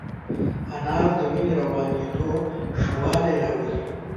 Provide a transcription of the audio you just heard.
انار د وینې روانېدو ښه والی راولي.